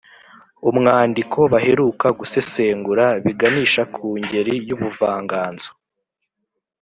umwandiko baheruka gusesengura biganisha ku ngeri y’ubuvanganzo